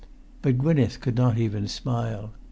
But Gwynneth could not even smile.